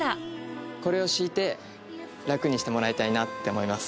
これを敷いて楽にしてもらいたいなって思います。